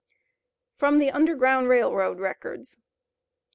FROM THE UNDERGROUND RAIL ROAD RECORDS.